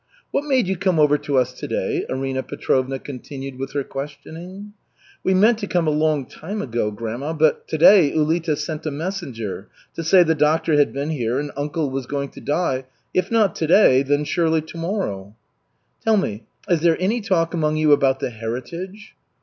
"What made you come over to us to day?" Arina Petrovna continued with her questioning. "We meant to come a long time ago, grandma, but today Ulita sent a messenger to say the doctor had been here and uncle was going to die, if not to day, then surely to morrow." "Tell me, is there any talk among you about the heritage?"